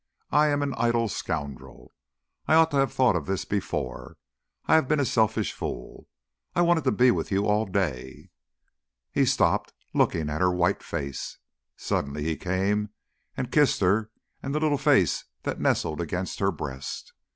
"I am an idle scoundrel. I ought to have thought of this before. I have been a selfish fool. I wanted to be with you all day...." He stopped, looking at her white face. Suddenly he came and kissed her and the little face that nestled against her breast.